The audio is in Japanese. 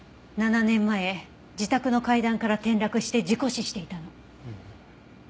７年前自宅の階段から転落して事故死していたの。